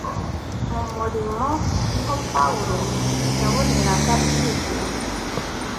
Mu murimo ni ho Pawulo yaboneraga ibyishimo